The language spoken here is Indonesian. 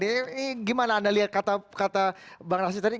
ini gimana anda lihat kata bang nasir tadi